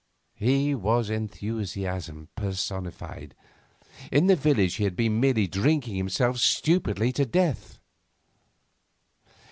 He was enthusiasm personified. In the village he had been merely drinking himself stupidly to death.